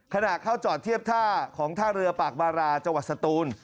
ขณะเข้าจอดเทียบท่าของท่าเรือปากบาราจังหวัดสตูน